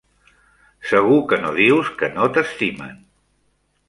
Segur que no dius que no t'estimen!